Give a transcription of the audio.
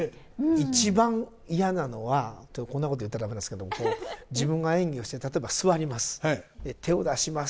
一番嫌なのはってこんなこと言ったら駄目ですけど自分が演技をして例えば座ります。